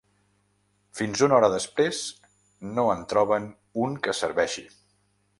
Fins una hora després no en troben un que serveixi.